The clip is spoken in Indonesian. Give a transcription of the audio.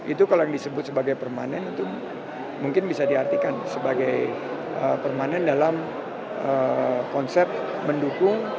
itu kalau yang disebut sebagai permanen itu mungkin bisa diartikan sebagai permanen dalam konsep mendukung